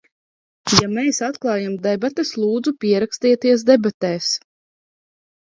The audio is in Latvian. Ja mēs atklājam debates, lūdzu, pierakstieties debatēs!